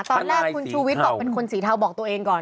ตอนแรกคุณชูวิทย์บอกเป็นคนสีเทาบอกตัวเองก่อน